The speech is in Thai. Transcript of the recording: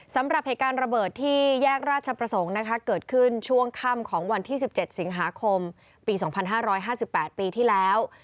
สำหรับเหตุการณ์ระเบิดที่แยกราชประสงค์นะคะเกิดขึ้นช่วงค่ำของวันที่๑๗สิงหาคมปี๒๕๕๘ปีที่แล้ว